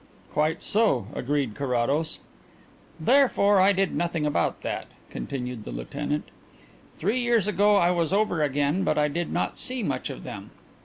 "Quite so," agreed Carrados. "Therefore I did nothing about that," continued the lieutenant. "Three years ago I was over again but I did not see much of them.